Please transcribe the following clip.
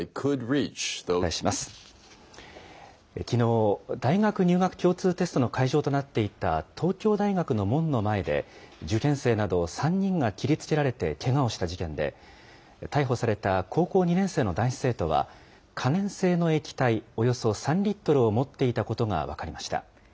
きのう、大学入学共通テストの会場となっていた東京大学の門の前で、受験生など３人が切りつけられてけがをした事件で、逮捕された高校２年生の男子生徒は、可燃性の液体およそ３リットルを持っていたことが分かりました。